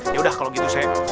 ya udah kalau gitu saya